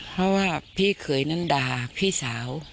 เพราะว่าพี่เขยนั้นด่าพี่สาว